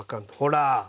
ほら！